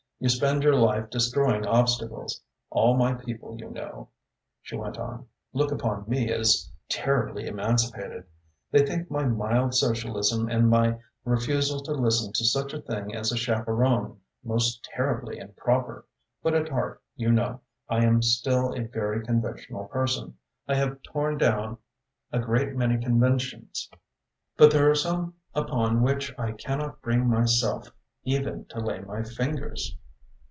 You spend your life destroying obstacles. All my people, you know," she went on, "look upon me as terribly emancipated. They think my mild socialism and my refusal to listen to such a thing as a chaperon most terribly improper, but at heart, you know, I am still a very conventional person. I have torn down a great many conventions, but there are some upon which I cannot bring myself even to lay my fingers."